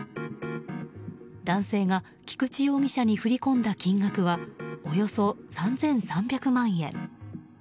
男性が菊池容疑者に振り込んだ金額はおよそ３３００万円。